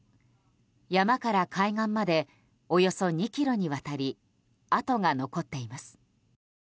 山から海岸までおよそ２ｋｍにわたり跡が残っています。